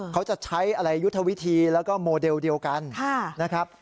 เขาจะใช้อะไรยุทธวิธีแล้วก็โมเดลเดียวกันนะครับ